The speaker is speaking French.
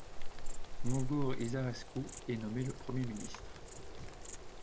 Mugur Isărescu est nommé le Premier ministre.